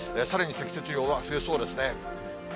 さらに積雪量は増えそうですね。